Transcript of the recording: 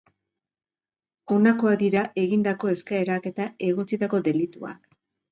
Honakoak dira egindako eskaerak eta egotzitako delituak.